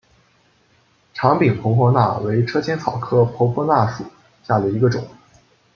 长柄婆婆纳为车前草科婆婆纳属下的一个种。